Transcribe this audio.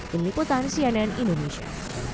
meliputan cnn indonesia